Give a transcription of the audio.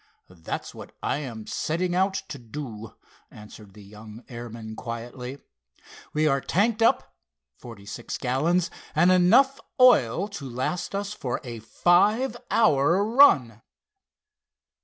"That's what I am setting out to do," answered the young airman quietly. "We are tanked up forty six gallons, and enough oil to last us for a five hour run."